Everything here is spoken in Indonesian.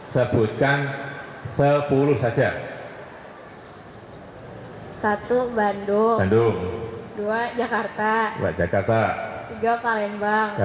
selawesi selawesi barat maluku papua